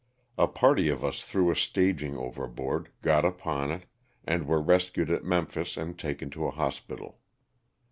A party of us threw a staging overboard, got upon it, and were rescued at Memphis and taken to a hospital.